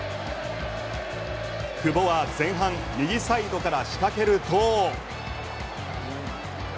久保は前半右サイドから仕掛けると。